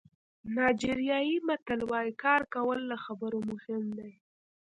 نایجیریايي متل وایي کار کول له خبرو مهم دي.